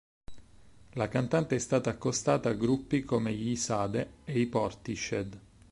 La cantante è stata accostata a gruppi come gli Sade e i Portishead.